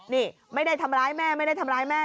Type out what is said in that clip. นี่ไม่ได้ทำร้ายแม่ไม่ได้ทำร้ายแม่